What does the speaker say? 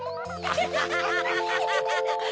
ハハハハ！